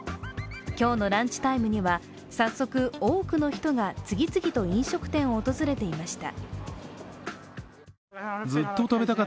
今日のランチタイムには早速、多くの人が次々と飲食店を訪れていました。